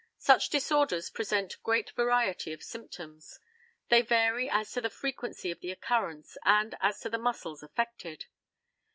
Such disorders present great variety of symptoms. They vary as to the frequency of the occurrence and as to the muscles affected.